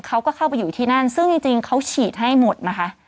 เขาก็เข้าไปอยู่ที่นั่นซึ่งจริงเขาฉีดให้หมดนะคะ